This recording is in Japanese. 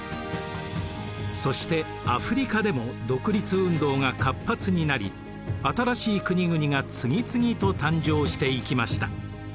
そしてアフリカでも独立運動が活発になり新しい国々が次々と誕生していきました。